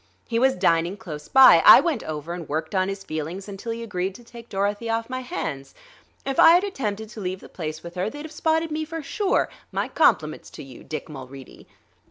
He was dining close by; I went over and worked on his feelings until he agreed to take Dorothy off my hands. If I had attempted to leave the place with her, they'd've spotted me for sure.... My compliments to you, Dick Mulready."